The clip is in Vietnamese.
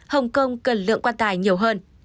hồng kông cần lượng quan tài nhiều hơn